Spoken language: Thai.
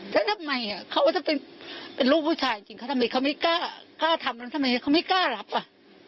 แล้วทำไมเขาก็จะเป็นลูกผู้ชายจริงเขาทำไมเขาไม่กล้ากล้าทำแล้วทำไมเขาไม่กล้ารับอ่ะ